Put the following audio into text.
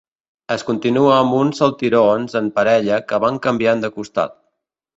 Es continua amb uns saltirons en parella que van canviant de costat.